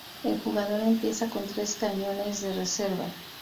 El jugador empieza con tres cañones de reserva.